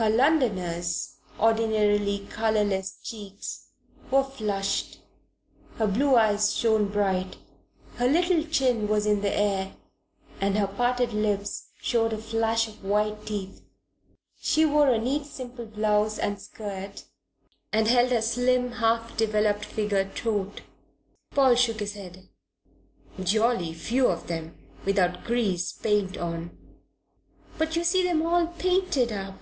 Her Londoner's ordinarily colourless checks were flushed, her blue eyes shone bright, her little chin was in the air and her parted lips showed a flash of white teeth. She wore a neat simple blouse and skirt and held her slim, half developed figure taut. Paul shook his head. "Jolly few of them without grease paint on." "But you see them all painted up."